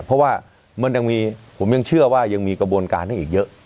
เพราะว่ามันยังมีผมยังเชื่อว่ายังมีกระบวนการให้อีกเยอะ